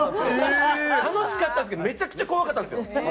楽しかったですけどめちゃくちゃ怖かったんですよ。